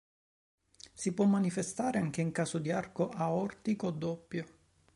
Si può manifestare anche in caso di arco aortico doppio.